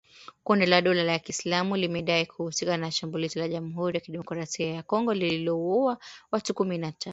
Kundi la dola ya Kiislamu limedai kuhusika na shambulizi la Jamhuri ya kidemokrasia ya Kongo lililouwa watu kumi na tano.